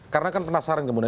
karena kan penasaran kemudian